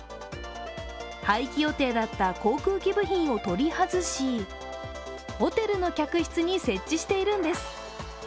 廃棄予定だった航空機部品を取り外しホテルの客室に設置しているんです。